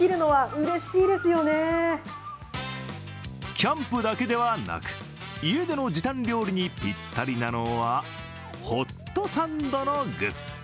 キャンプだけではなく、家での時短料理にぴったりなのはホットサンドの具。